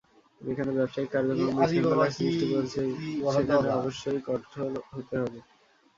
যেখানে ব্যবসায়িক কার্যক্রম বিশৃঙ্খলার সৃষ্টি করছে, সেখানে অবশ্যই কঠোর হতে হবে।